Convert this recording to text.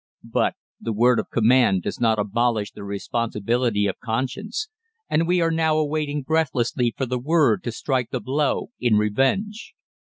But the word of command does not abolish the responsibility of conscience, and we are now awaiting breathlessly for the word to strike the blow in revenge.